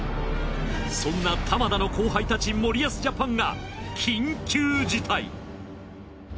そんな玉田の後輩たち森保ジャパンが緊急事態。